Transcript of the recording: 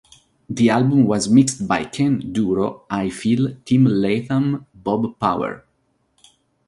The album was mixed by Ken "Duro" Ifill; Tim Latham; Bob Power.